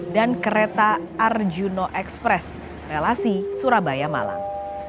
dan kereta arjuno express relasi surabaya malang